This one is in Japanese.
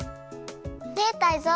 ねえタイゾウ。